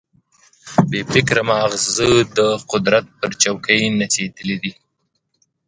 بې فکره ماغزه د قدرت پر چوکۍ نڅېدلي دي.